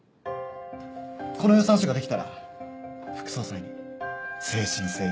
この予算書ができたら副総裁に誠心誠意。